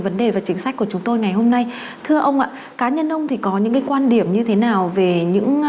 vấn đề và chính sách hôm nay với khách mời là giáo sư tiến sĩ thái vĩnh thắng